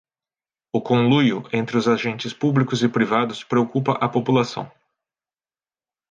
O conluio entre os agentes públicos e privados preocupa a população